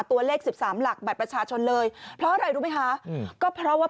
ตัวเลขสิบสามหลักบัตรประชาชนเลยเพราะอะไรรู้ไหมคะอืมก็เพราะว่า